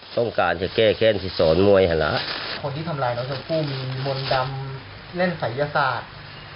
ต้องการจะเก้เก้นที่สวนมวยหละคนที่ทำลายน้องชมพู่มีมนต์ดำเล่นศัยยศาสตร์